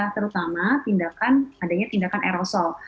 terutama tindakan adanya tindakan aerosol